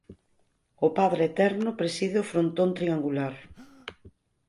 O Padre Eterno preside o frontón triangular.